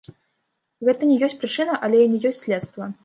Гэта не ёсць прычына, але і не ёсць следства.